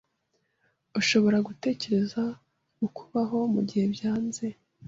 Ushobora gutekereza ku kubaho mugihe byanze